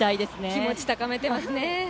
気持ち高めてますね。